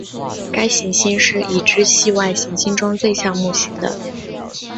该行星是已知系外行星中最像木星的。